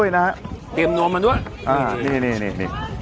ปรากฏว่าจังหวัดที่ลงจากรถ